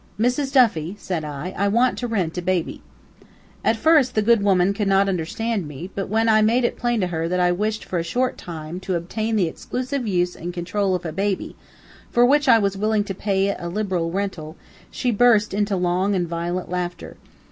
"Mrs. Duffy," said I, "I want to rent a baby." At first, the good woman could not understand me, but when I made plain to her that I wished for a short time, to obtain the exclusive use and control of a baby, for which I was willing to pay a liberal rental, she burst into long and violent laughter.